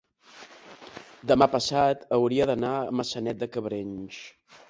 demà passat hauria d'anar a Maçanet de Cabrenys.